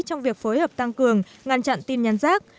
trong việc phối hợp tăng cường ngăn chặn tin nhắn rác